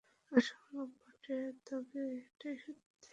অসম্ভব বটে, তবে এটাই সত্য।